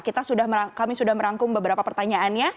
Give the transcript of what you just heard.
kami sudah merangkum beberapa pertanyaannya